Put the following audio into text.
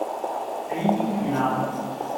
比肩而立